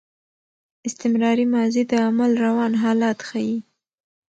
استمراري ماضي د عمل روان حالت ښيي.